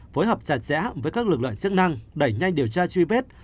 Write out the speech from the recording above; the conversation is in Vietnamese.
phối hợp chặt chẽ với các lực lượng chức năng đẩy nhanh điều tra truy vết